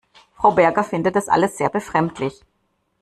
Frau Berger findet das alles sehr befremdlich.